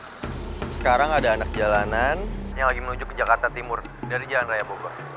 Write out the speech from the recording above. sekarang ada anak jalanan yang lagi menuju ke jakarta timur dari jalan raya bogor